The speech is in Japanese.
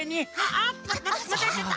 あっまたやっちゃった！